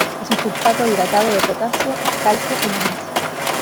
Es un sulfato hidratado de potasio, calcio y magnesio.